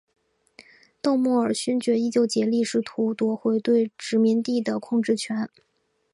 邓莫尔勋爵依旧竭力试图夺回对殖民地的控制权。